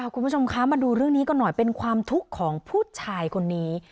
คุณผู้ชมคะมาดูเรื่องนี้กันหน่อยเป็นความทุกข์ของผู้ชายคนนี้